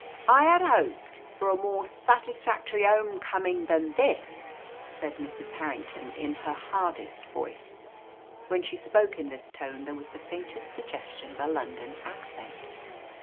"I had hoped for a more satisfactory home coming than this," said Mrs. Harrington in her hardest voice. When she spoke in this tone there was the faintest suggestion of a London accent.